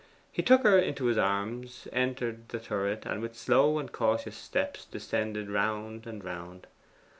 He took her into his arms, entered the turret, and with slow and cautious steps descended round and round.